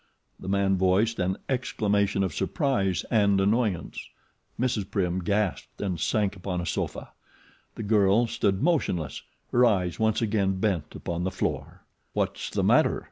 The man voiced an exclamation of surprise and annoyance. Mrs. Prim gasped and sank upon a sofa. The girl stood motionless, her eyes once again bent upon the floor. "What's the matter?"